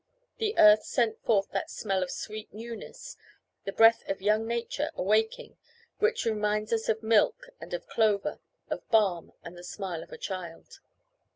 The earth sent forth that smell of sweet newness, the breath of young nature awaking, which reminds us of milk, and of clover, of balm, and the smile of a child.